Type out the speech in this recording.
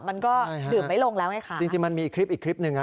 มันก็ดื่มไม่ลงแล้วไงคะจริงจริงมันมีคลิปอีกคลิปหนึ่งอ่ะ